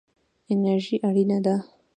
انرژي اړینه ده.